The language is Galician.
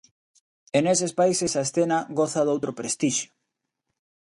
E neses países a escena goza doutro prestixio.